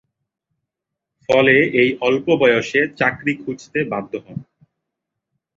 ফলে এই অল্প বয়সে চাকরি খুঁজতে বাধ্য হন।